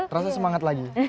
terasa semangat lagi